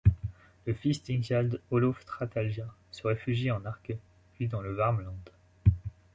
Le fils d'Ingjald, Olof Trätälja, se réfugie en Närke, puis dans le Värmland.